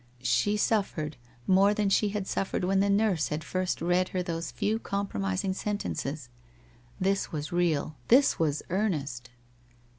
She suffered, more than she had suffered when the nurse had first read her those few compromising sentences. This was real, this was earnest!